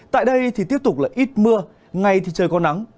tại đây thì tiếp tục là ít mưa ngày thì trời có nắng